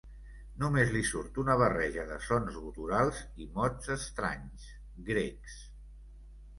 Només li surt una barreja de sons guturals i mots estranys, grecs.